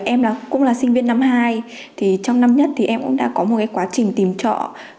em cũng là sinh viên năm hai trong năm nhất em cũng đã có một quá trình tìm trọ